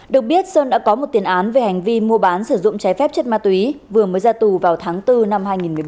được biết sơn đã có một tiền án về hành vi mua bán sử dụng trái phép chất ma túy vừa mới ra tù vào tháng bốn năm hai nghìn một mươi bốn